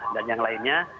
dan yang lainnya